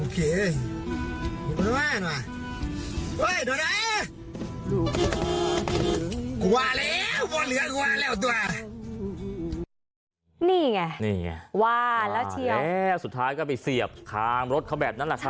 กลัวเลยว่าเหลือกลัวแล้วตัวนี่ไงนี่ไงว่าแล้วเชียบว่าแล้วสุดท้ายก็ไปเสียบขามรถเขาแบบนั้นแหละครับ